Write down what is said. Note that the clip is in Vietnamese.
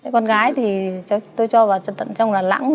con gái thì tôi cho vào trong làn lãng